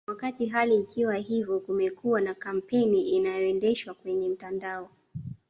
Wakati hali ikiwa hivyo kumekuwa na kampeni inayoendeshwa kwenye mitandao